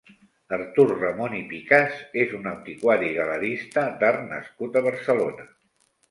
Artur Ramon i Picas és un antiquari i galerista d'art nascut a Barcelona.